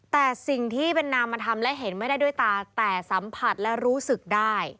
แต่สิ่งที่เป็นนามธรรมและเห็นไม่ได้ด้วยตาแต่สัมผัสและรู้สึกได้